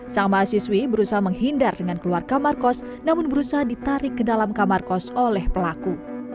sang mahasiswi berusaha menghindar dengan keluar kamar kos namun berusaha ditarik ke dalam kamar kos oleh pelaku